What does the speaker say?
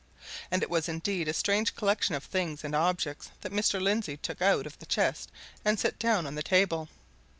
And it was indeed a strange collection of things and objects that Mr. Lindsey took out of the chest and set down on the table.